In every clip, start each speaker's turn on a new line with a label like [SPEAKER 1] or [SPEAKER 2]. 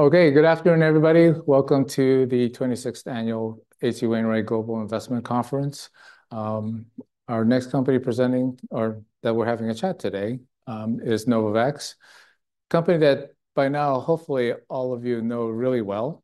[SPEAKER 1] Okay, good afternoon, everybody. Welcome to the 26th Annual H.C. Wainwright Global Investment Conference. Our next company presenting, or that we're having a chat today, is Novavax, a company that by now hopefully all of you know really well.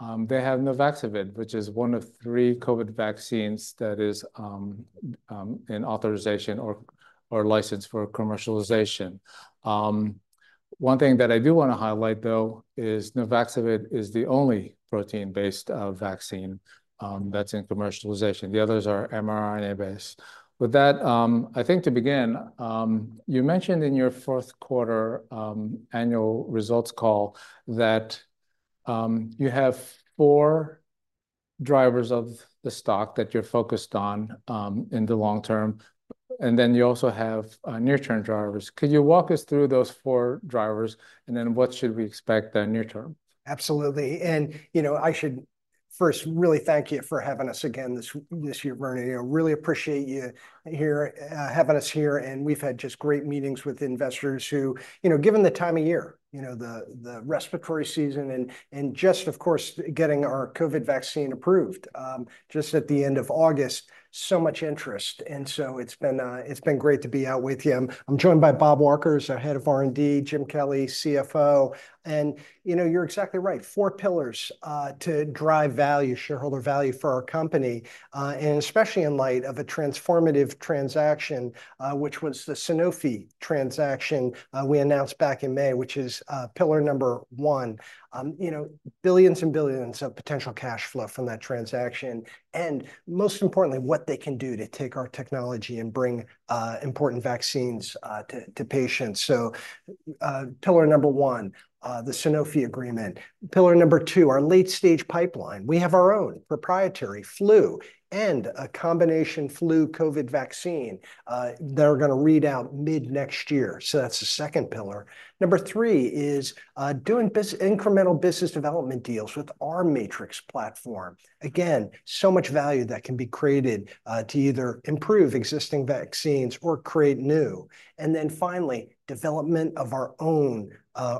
[SPEAKER 1] They have Nuvaxovid, which is one of three COVID vaccines that is in authorization or licensed for commercialization. One thing that I do want to highlight, though, is Nuvaxovid is the only protein-based vaccine that's in commercialization. The others are mRNA-based. With that, I think to begin, you mentioned in your fourth quarter annual results call that you have four drivers of the stock that you're focused on in the long term, and then you also have near-term drivers. Could you walk us through those four drivers, and then what should we expect near term?
[SPEAKER 2] Absolutely, and you know, I should first really thank you for having us again this year, Vernon. I really appreciate you here having us here, and we've had just great meetings with investors who, you know, given the time of year, you know, the respiratory season and just, of course, getting our COVID vaccine approved just at the end of August, so much interest, and so it's been great to be out with you. I'm joined by Bob Walker, our Head of R&D, Jim Kelly, CFO, and you know, you're exactly right, four pillars to drive value, shareholder value for our company, and especially in light of a transformative transaction, which was the Sanofi transaction, we announced back in May, which is pillar number one. You know, billions and billions of potential cash flow from that transaction, and most importantly, what they can do to take our technology and bring important vaccines to patients. Pillar number one, the Sanofi agreement. Pillar number two, our late-stage pipeline. We have our own proprietary flu and a combination flu COVID vaccine that are gonna read out mid-next year, so that's the second pillar. Number three is doing incremental business development deals with our Matrix platform. Again, so much value that can be created to either improve existing vaccines or create new. And then finally, development of our own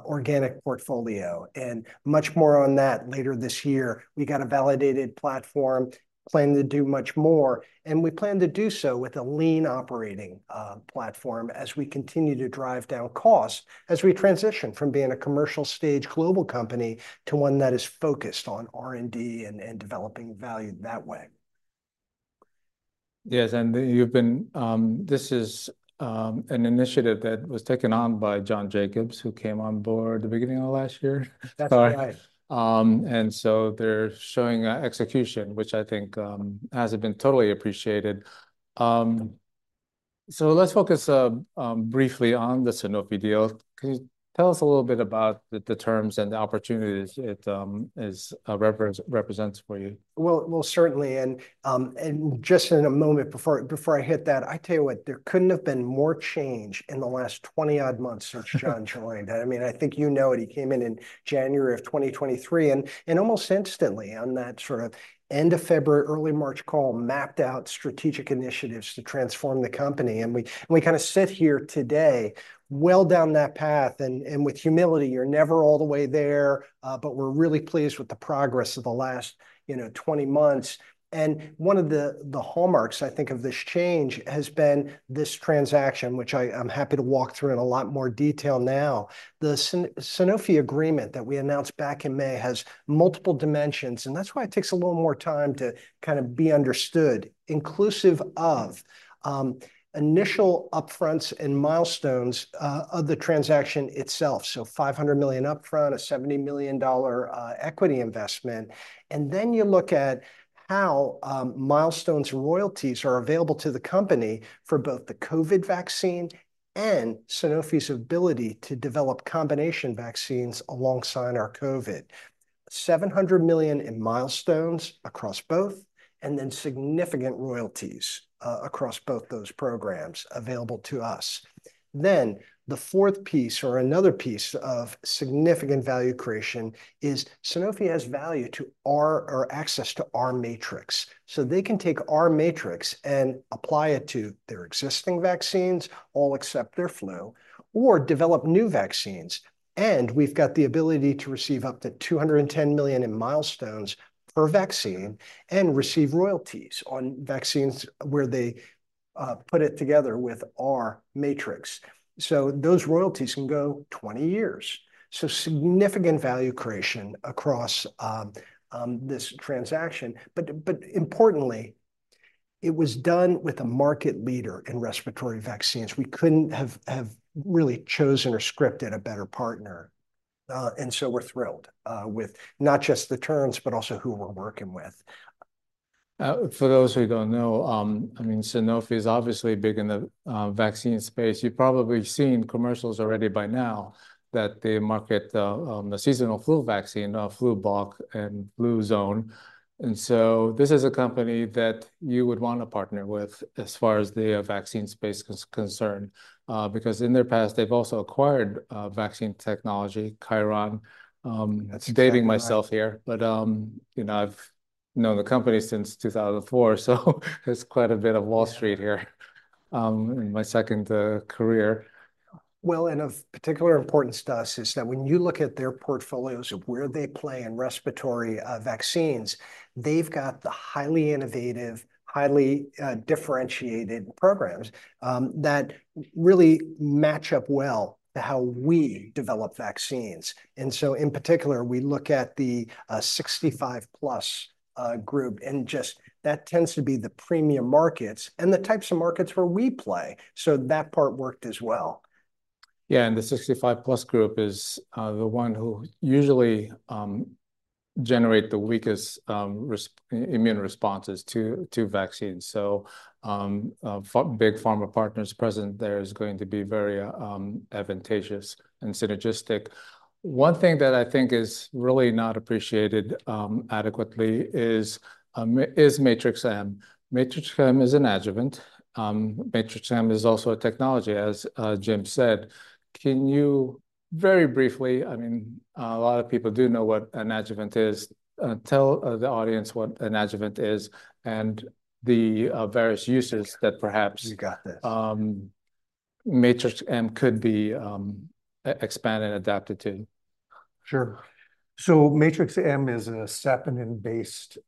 [SPEAKER 2] organic portfolio, and much more on that later this year. We got a validated platform, planning to do much more, and we plan to do so with a lean operating platform as we continue to drive down costs as we transition from being a commercial-stage global company to one that is focused on R&D and developing value that way.
[SPEAKER 1] Yes, and you've been. This is an initiative that was taken on by John Jacobs, who came on Board the beginning of last year?
[SPEAKER 2] That's right.
[SPEAKER 1] And so they're showing execution, which I think has been totally appreciated. So let's focus briefly on the Sanofi deal. Can you tell us a little bit about the terms and the opportunities it represents for you?
[SPEAKER 2] Certainly, and just in a moment, before I hit that, I tell you what, there couldn't have been more change in the last 20-odd months since John joined. I mean, I think you know it. He came in in January of 2023, and almost instantly on that sort of end of February, early March call, mapped out strategic initiatives to transform the company, and we kind of sit here today well down that path, and with humility. You're never all the way there, but we're really pleased with the progress of the last, you know, twenty months. And one of the hallmarks, I think, of this change has been this transaction, which I'm happy to walk through in a lot more detail now. The Sanofi agreement that we announced back in May has multiple dimensions, and that's why it takes a little more time to kind of be understood, inclusive of initial upfronts and milestones of the transaction itself, so $500 million upfront, a $70 million equity investment. Then you look at how milestones royalties are available to the company for both the COVID vaccine and Sanofi's ability to develop combination vaccines alongside our COVID. $700 million in milestones across both, and then significant royalties across both those programs available to us. The fourth piece, or another piece of significant value creation, is Sanofi has value to our, or access to our Matrix. So, they can take our Matrix and apply it to their existing vaccines, all except their flu, or develop new vaccines, and we've got the ability to receive up to $210 million in milestones per vaccine and receive royalties on vaccines where they put it together with our Matrix. So those royalties can go twenty years, so significant value creation across this transaction. But importantly, it was done with a market leader in respiratory vaccines. We couldn't have really chosen or scripted a better partner, and so we're thrilled with not just the terms, but also who we're working with.
[SPEAKER 1] For those who don't know, I mean, Sanofi is obviously big in the vaccine space. You've probably seen commercials already by now that they market the seasonal flu vaccine, Flublok and Fluzone, and so this is a company that you would want to partner with as far as the vaccine space is concerned. Because in their past, they've also acquired vaccine technology, Chiron.
[SPEAKER 2] That's right.
[SPEAKER 1] Dating myself here, but, you know, I've known the company since 2004, so there's quite a bit of Wall Street here, in my second career.
[SPEAKER 2] And of particular importance to us is that when you look at their portfolios of where they play in respiratory vaccines, they've got the highly innovative, highly differentiated programs that really match up well to how we develop vaccines. And so in particular, we look at the 65+ group, and just that tends to be the premium markets and the types of markets where we play. So that part worked as well.
[SPEAKER 1] Yeah, and the 65+ group is the one who usually generate the weakest immune responses to vaccines. So, for big pharma partners present there is going to be very advantageous and synergistic. One thing that I think is really not appreciated adequately is Matrix-M. Matrix-M is an adjuvant. Matrix-M is also a technology, as Jim said. Can you very briefly, I mean, a lot of people do know what an adjuvant is, tell the audience what an adjuvant is and the various uses that perhaps-
[SPEAKER 2] You got this....
[SPEAKER 1] Matrix-M could be, expanded and adapted to?
[SPEAKER 3] Sure. So, Matrix-M is a saponin-based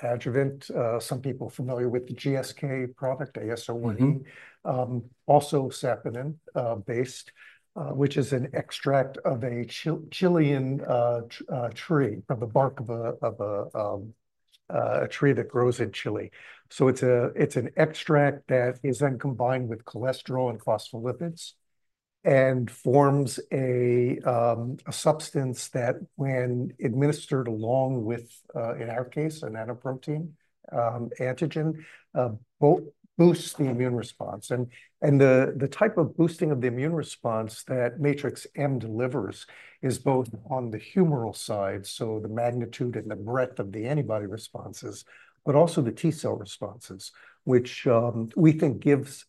[SPEAKER 3] adjuvant. Some people familiar with the GSK product, AS01, also saponin based, which is an extract of a Chilean tree, of the bark of a tree that grows in Chile. So it's an extract that is then combined with cholesterol and phospholipids, and forms a substance that when administered along with, in our case, a nanoprotein antigen, boosts the immune response. And the type of boosting of the immune response that Matrix-M delivers is both on the humoral side, so the magnitude and the breadth of the antibody responses, but also the T-cell responses, which we think gives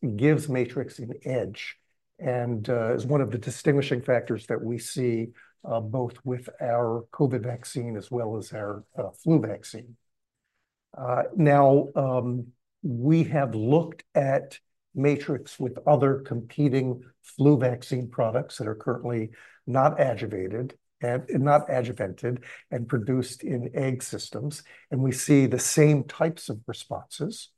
[SPEAKER 3] Matrix an edge, and is one of the distinguishing factors that we see, both with our COVID vaccine as well as our flu vaccine. Now, we have looked at Matrix with other competing flu vaccine products that are currently not adjuvated, not adjuvanted, and produced in egg systems, and we see the same types of responses.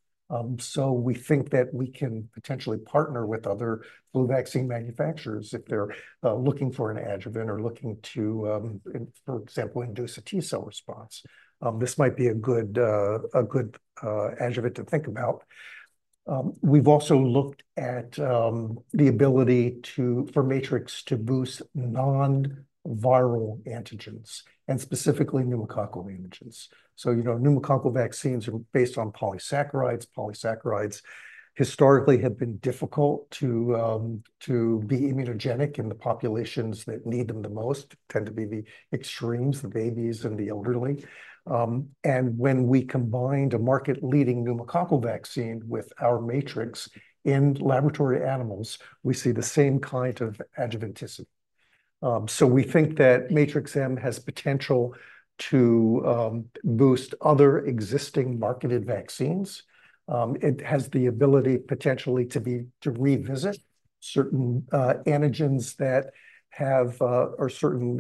[SPEAKER 3] So we think that we can potentially partner with other flu vaccine manufacturers if they're looking for an adjuvant or looking to, in, for example, induce a T-cell response. This might be a good adjuvant to think about. We've also looked at the ability to for Matrix to boost non-viral antigens, and specifically pneumococcal antigens. So, you know, pneumococcal vaccines are based on polysaccharides. Polysaccharides historically have been difficult to be immunogenic in the populations that need them the most, tend to be the extremes, the babies and the elderly. And when we combined a market-leading pneumococcal vaccine with our Matrix in laboratory animals, we see the same kind of adjuvantism. So we think that Matrix-M has potential to boost other existing marketed vaccines. It has the ability potentially to be to revisit certain antigens that have or certain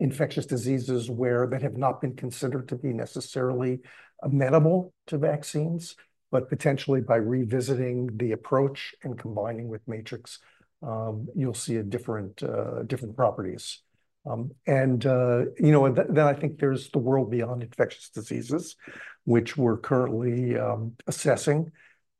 [SPEAKER 3] infectious diseases where that have not been considered to be necessarily amenable to vaccines, but potentially by revisiting the approach and combining with Matrix, you'll see a different properties. And you know, and then I think there's the world beyond infectious diseases, which we're currently assessing.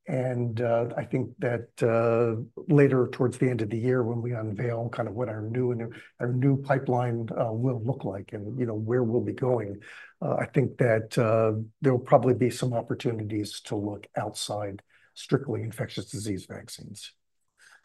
[SPEAKER 3] I think that later towards the end of the year, when we unveil kind of what our new pipeline will look like and, you know, where we'll be going, I think that there will probably be some opportunities to look outside strictly infectious disease vaccines.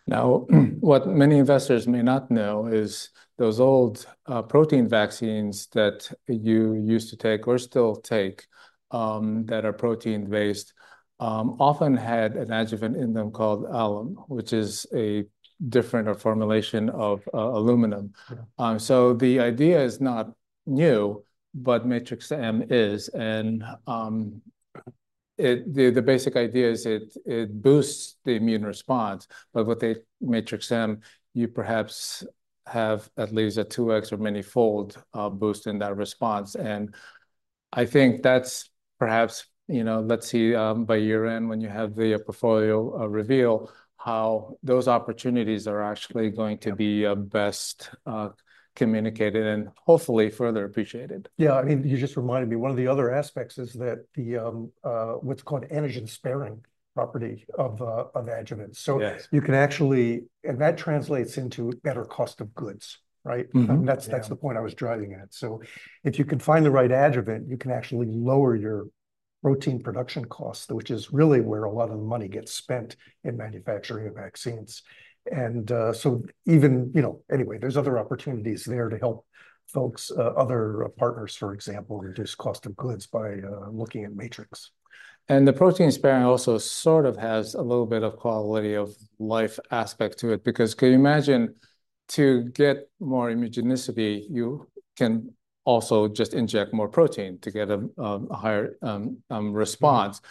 [SPEAKER 1] Now, what many investors may not know is those old, protein vaccines that you used to take or still take, that are protein-based, often had an adjuvant in them called alum, which is a different formulation of, aluminum.
[SPEAKER 3] Yeah.
[SPEAKER 1] So, the idea is not new, but Matrix-M is, and the basic idea is it boosts the immune response. But with a Matrix-M, you perhaps have at least a two X or manyfold boost in that response. And I think that's perhaps, you know, let's see, by year-end when you have the portfolio reveal, how those opportunities are actually going to be best communicated and hopefully further appreciated.
[SPEAKER 2] Yeah, I mean, you just reminded me, one of the other aspects is that the, what's called antigen-sparing property of adjuvants.
[SPEAKER 1] Yes.
[SPEAKER 2] So you can actually, and that translates into better cost of goods, right?
[SPEAKER 1] Yeah.
[SPEAKER 2] And that's the point I was driving at. So if you can find the right adjuvant, you can actually lower your protein production costs, which is really where a lot of the money gets spent in manufacturing of vaccines. And so even, you know... Anyway, there's other opportunities there to help folks, other partners, for example, reduce cost of goods by looking at Matrix.
[SPEAKER 1] And the protein-sparing also sort of has a little bit of quality-of-life aspect to it, because can you imagine, to get more immunogenicity, you can also just inject more protein to get a higher response.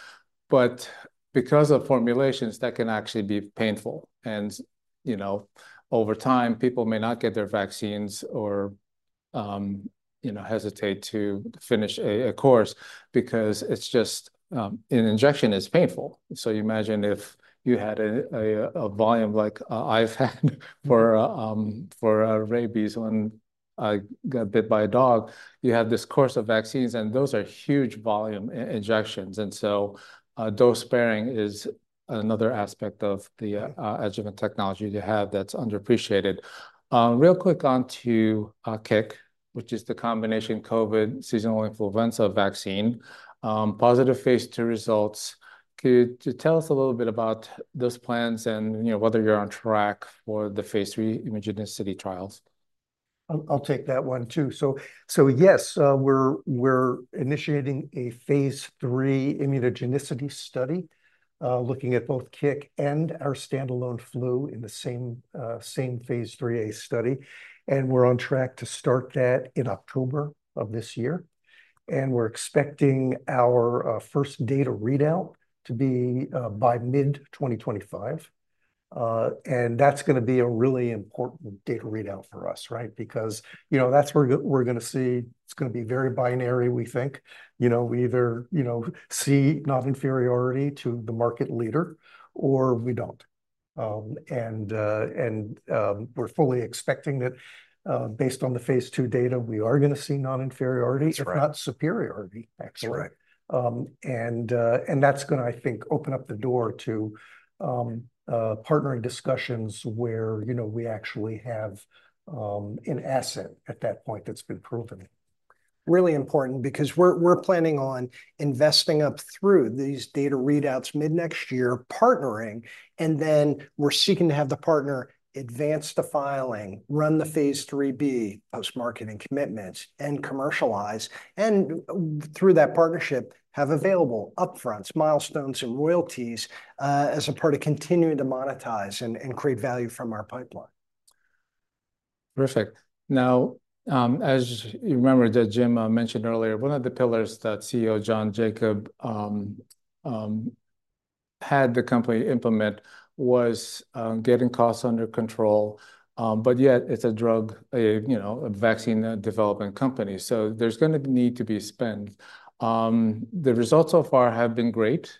[SPEAKER 1] But because of formulations, that can actually be painful, and, you know, over time, people may not get their vaccines or, you know, hesitate to finish a course because it's just an injection is painful. So you imagine if you had a volume like I've had for rabies when I got bit by a dog. You have this course of vaccines, and those are huge volume injections. And so, dose sparing is another aspect of the adjuvant technology you have that's underappreciated. Real quick, on to CIC, which is the combination COVID seasonal influenza vaccine, positive phase II results. Could you tell us a little bit about those plans and, you know, whether you're on track for the phase III immunogenicity trials?
[SPEAKER 3] I'll take that one, too, so yes, we're initiating a phase III immunogenicity study, looking at both CIC and our standalone flu in the same phase III-A study, and we're on track to start that in October of this year, and we're expecting our first data readout to be by mid 2025, and that's gonna be a really important data readout for us, right? Because, you know, that's where we're gonna see... It's gonna be very binary, we think. You know, we either, you know, see non-inferiority to the market leader or we don't, and we're fully expecting that, based on the phase II data, we are gonna see non-inferiority-
[SPEAKER 2] That's right...
[SPEAKER 3] if not superiority.
[SPEAKER 2] That's right.
[SPEAKER 3] That's gonna, I think, open up the door to partnering discussions where, you know, we actually have an asset at that point that's been proven.
[SPEAKER 2] Really important because we're planning on investing up through these data readouts mid-next year, partnering, and then we're seeking to have the partner advance the filing, run the phase III-B post-marketing commitments, and commercialize, and through that partnership, have available upfronts, milestones, and royalties, as a part of continuing to monetize and create value from our pipeline.
[SPEAKER 1] Terrific. Now, as you remember that Jim mentioned earlier, one of the pillars that CEO John Jacobs had the company implement was getting costs under control. But yet it's a drug, you know, a vaccine development company, so there's gonna need to be spend. The results so far have been great.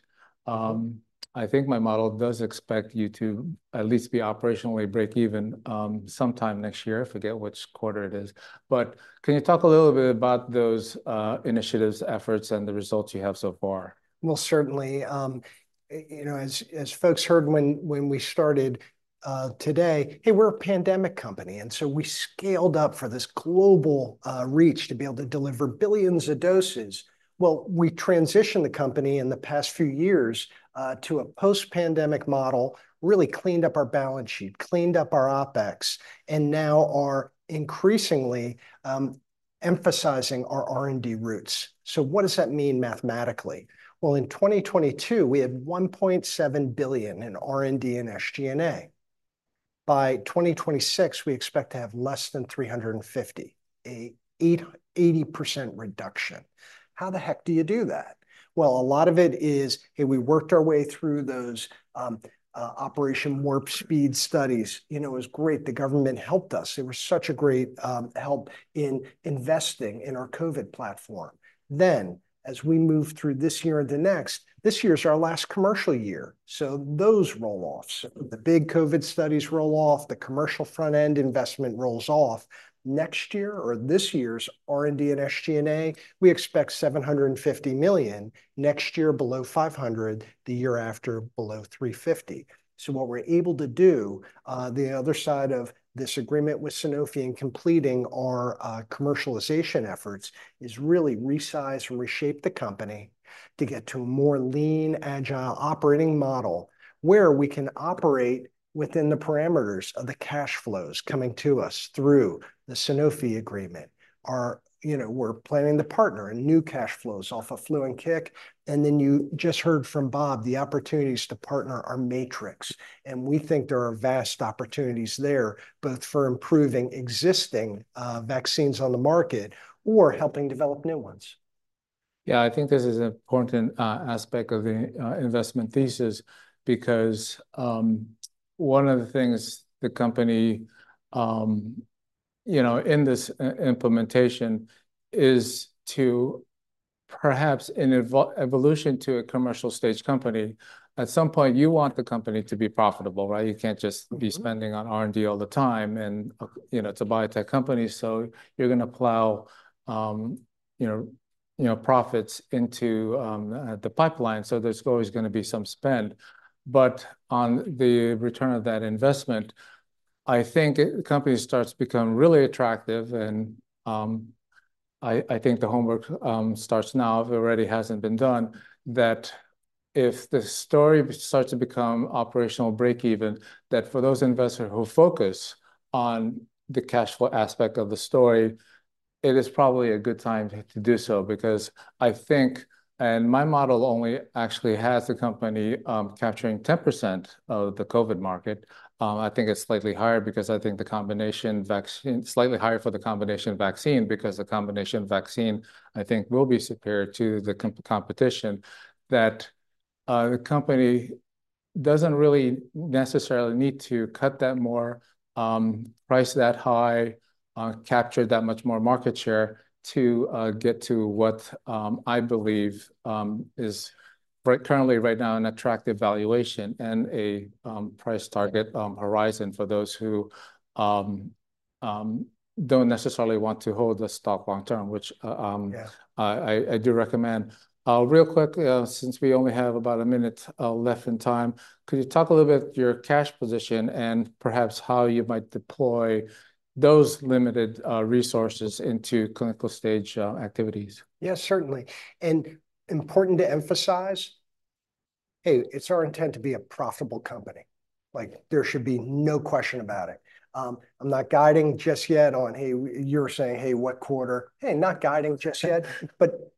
[SPEAKER 1] I think my model does expect you to at least be operationally break even, sometime next year. I forget which quarter it is. But can you talk a little bit about those initiatives, efforts, and the results you have so far?
[SPEAKER 2] Certainly. You know, as folks heard when we started today, hey, we're a pandemic company, and so we scaled up for this global reach to be able to deliver billions of doses. We transitioned the company in the past few years to a post-pandemic model, really cleaned up our balance sheet, cleaned up our OpEx, and now are increasingly emphasizing our R&D roots. So what does that mean mathematically? In 2022, we had $1.7 billion in R&D and SG&A. By 2026, we expect to have less than $350 million, an 80% reduction. How the heck do you do that? A lot of it is, hey, we worked our way through those Operation Warp Speed studies. You know, it was great. The government helped us. It was such a great help in investing in our COVID platform. Then as we move through this year and the next, this year's our last commercial year, so those roll-offs, the big COVID studies roll off, the commercial front-end investment rolls off. Next year or this year's R&D and SG&A, we expect $750 million. Next year, below $500 million. The year after, below $350 million. So what we're able to do, the other side of this agreement with Sanofi in completing our commercialization efforts, is really resize and reshape the company to get to a more lean, agile operating model, where we can operate within the parameters of the cash flows coming to us through the Sanofi agreement. You know, we're planning to partner, and new cash flows off of flu and CIC. And then you just heard from Bob the opportunities to partner our Matrix-M, and we think there are vast opportunities there, both for improving existing vaccines on the market or helping develop new ones.
[SPEAKER 1] Yeah, I think this is an important aspect of the investment thesis because one of the things the company you know in this implementation is to perhaps in evolution to a commercial stage company, at some point, you want the company to be profitable, right? You can't just be spending on R&D all the time. And, you know, it's a biotech company, so you're gonna plow, you know, profits into the pipeline, so there's always gonna be some spend. But on the return of that investment, I think a company starts to become really attractive, and, I think the homework starts now, if it already hasn't been done, that if the story starts to become operational break even, that for those investors who focus on the cash flow aspect of the story, it is probably a good time to do so, because I think, and my model only actually has the company capturing 10% of the COVID market. I think it's slightly higher for the combination vaccine because the combination vaccine will be superior to the competition that the company doesn't really necessarily need to cut that more price that high, capture that much more market share to get to what I believe is currently right now an attractive valuation and a price target horizon for those who don't necessarily want to hold the stock long term, which
[SPEAKER 2] Yeah
[SPEAKER 1] I do recommend. Real quick, since we only have about a minute left in time, could you talk a little about your cash position and perhaps how you might deploy those limited resources into clinical stage activities?
[SPEAKER 2] Yes, certainly. And important to emphasize, hey, it's our intent to be a profitable company. Like, there should be no question about it. I'm not guiding just yet on, hey, you're saying, "Hey, what quarter?" Hey, not guiding just yet. But,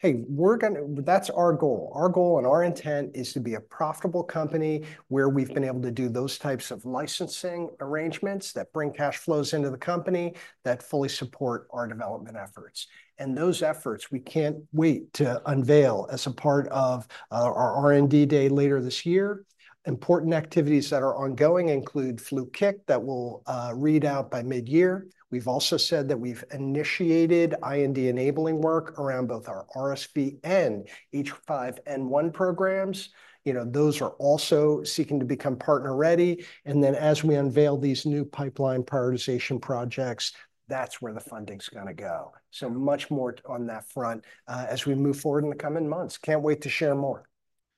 [SPEAKER 2] hey, we're gonna, that's our goal. Our goal and our intent is to be a profitable company, where we've been able to do those types of licensing arrangements that bring cash flows into the company, that fully support our development efforts. And those efforts, we can't wait to unveil as a part of our R&D Day later this year. Important activities that are ongoing include Flu/CIC, that we'll read out by mid-year. We've also said that we've initiated IND-enabling work around both our RSV and H5N1 programs. You know, those are also seeking to become partner-ready. And then, as we unveil these new pipeline prioritization projects, that's where the funding's gonna go. So much more on that front, as we move forward in the coming months. Can't wait to share more.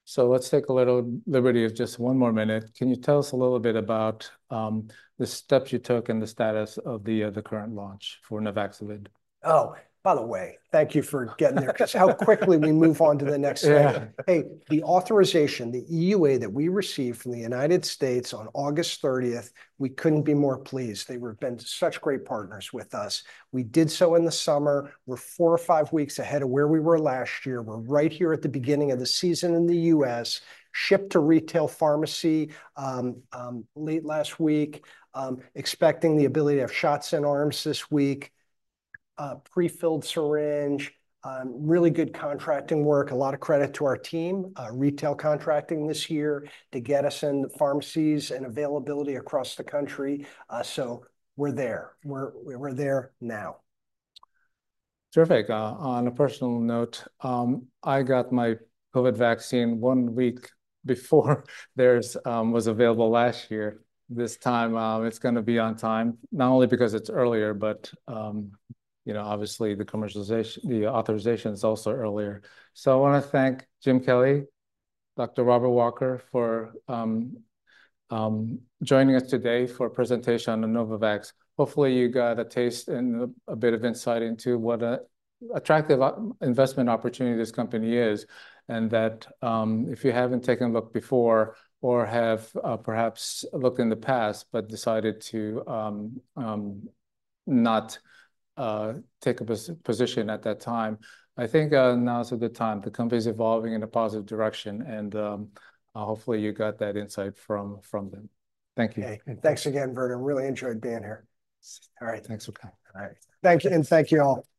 [SPEAKER 1] So, let's take a little liberty of just one more minute. Can you tell us a little bit about the steps you took and the status of the current launch for Nuvaxovid?
[SPEAKER 2] Oh, by the way, thank you for getting there, because how quickly we move on to the next thing.
[SPEAKER 1] Yeah.
[SPEAKER 2] Hey, the authorization, the EUA that we received from the United States on August thirtieth, we couldn't be more pleased. They have been such great partners with us. We did so in the summer. We're four or five weeks ahead of where we were last year. We're right here at the beginning of the season in the U.S., shipped to retail pharmacy late last week, expecting the ability to have shots in arms this week, a pre-filled syringe, really good contracting work. A lot of credit to our team, retail contracting this year to get us in the pharmacies and availability across the country, so we're there. We're there now.
[SPEAKER 1] Terrific. On a personal note, I got my COVID vaccine one week before theirs was available last year. This time, it's gonna be on time, not only because it's earlier, but you know, obviously, the commercialization the authorization is also earlier. So I wanna thank Jim Kelly, Dr. Robert Walker for joining us today for a presentation on Novavax. Hopefully, you got a taste and a bit of insight into what a attractive investment opportunity this company is, and that, if you haven't taken a look before or have, perhaps looked in the past but decided to not take a position at that time, I think now is a good time. The company's evolving in a positive direction, and hopefully, you got that insight from them. Thank you.
[SPEAKER 2] Hey, thanks again, Vernon. Really enjoyed being here. All right.
[SPEAKER 1] Thanks, okay.
[SPEAKER 3] All right.
[SPEAKER 2] Thank you, and thank you all.